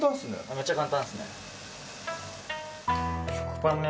めっちゃ簡単ですね。